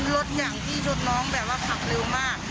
รถอย่างที่รถน้องแบบว่าขับเร็วมาก